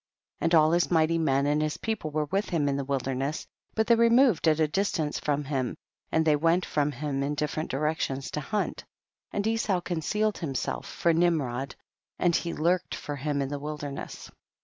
5. And all his mighty men and his people were with him in the wilder ness, but they removed at a distance from him, and they went from him in different directions to hunt, and Esau concealed himself for Nimrod, and he lurked for him in the wilder ness.